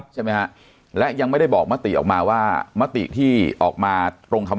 ใช่ไหมฮะและยังไม่ได้บอกมติออกมาว่ามติที่ออกมาตรงคำ